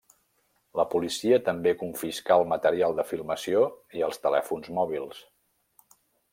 La policia també confiscà el material de filmació i els telèfons mòbils.